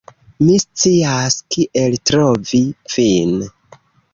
Mi scias kiel trovi vin.